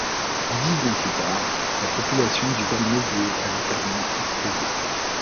Dix ans plus tard, la population du Val Maubuée a littéralement explosé.